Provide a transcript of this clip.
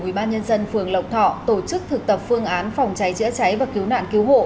ubnd phường lộc thọ tổ chức thực tập phương án phòng cháy chữa cháy và cứu nạn cứu hộ